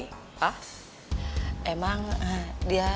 hah emang dia